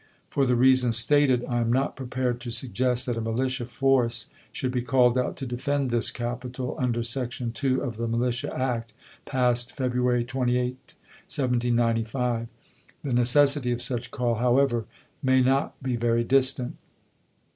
For the reasons stated, I am not prepared to sug gest that a militia force should be called out to defend this Capital, under section 2 of the militia act, passed February 28, 1795. The necessity of such call, however, MS. may not be very distant.